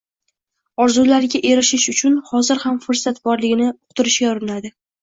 orzulariga erishish uchun hozir ham fursat borligini uqtirishga urinadi